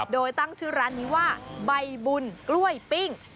โดยตั้งชื่อร้านนี้ว่าใบบุญกล้วยปิ้ง